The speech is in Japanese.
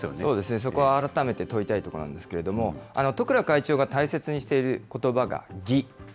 そうですね、そこは改めて問いたいところなんですけれども、十倉会長が大切にしていることばが義。